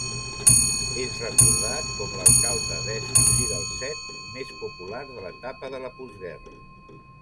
És recordat com l'alcalde d'Esch-sur-Alzette més popular de l'etapa de la postguerra.